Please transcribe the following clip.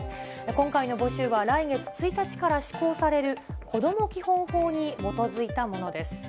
今回の募集は来月１日から施行されるこども基本法に基づいたものです。